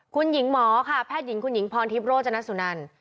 คุณหญิงหมอค่ะแพทย์หญิงคุณหญิงพรทิพย์โรจนสุนัน